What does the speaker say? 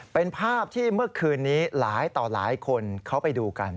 เป็นภาพที่เมื่อคืนนี้หลายต่อหลายคนเขาไปดูกัน